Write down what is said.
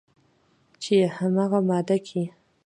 چې همغه ماده کې